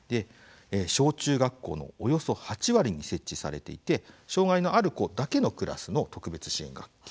小中学校のおよそ８割に設置されていて障害のある子だけのクラスの特別支援学級。